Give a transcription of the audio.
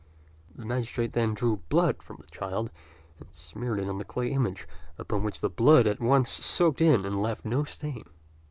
The magistrate then drew blood from the child, and smeared it on the clay image; upon which the blood at once soaked in and left no stain.